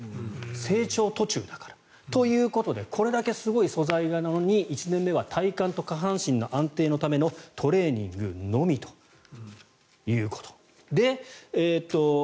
成長途中だからということでこれだけすごい素材なのに１年目は体幹と下半身の安定のためのトレーニングのみということ。